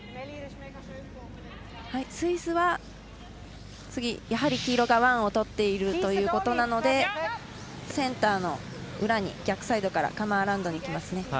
スイスは、次、やはり黄色がワンをとっているということなのでセンターの裏に逆サイドからカムアラウンドにいきますね。